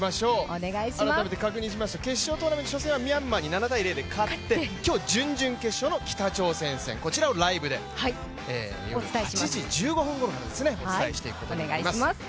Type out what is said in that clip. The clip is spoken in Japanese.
改めて確認します、決勝トーナメント初戦は７−２で勝って今日準々決勝の北朝鮮戦、こちらをライブで夜８時１５分くらいからお伝えしていくことになります。